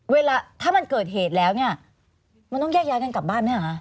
เวลาถ้ามันเกิดเหตุแล้วเนี่ยมันต้องแยกย้ายกันกลับบ้านไหมเหรอคะ